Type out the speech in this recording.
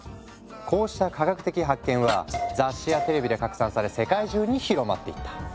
こうした科学的発見は雑誌やテレビで拡散され世界中に広まっていった。